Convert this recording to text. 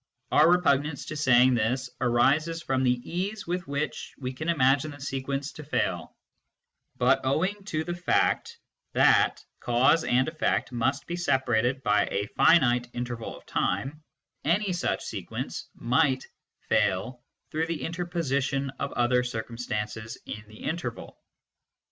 Our repugnance to saying this arises from the ease with w iicii we can imagine the sequence to fail, but owing to the fact that cause and effect must be separated by a finite interval of time, any such sequence might fail through the interposition of other circumstances in the interval.